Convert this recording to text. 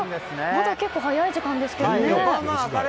まだ結構早い時間ですけどね。